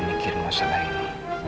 mikir masalah ini